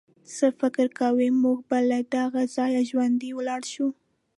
څه فکر کوئ، موږ به له دغه ځایه ژوندي ولاړ شو.